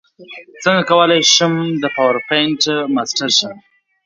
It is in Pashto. څنګه کولی شم د پاورپاینټ ماسټر شم